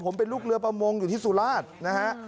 ผมเป็นลูกเรือประมงอยู่ที่สุราชนะฮะ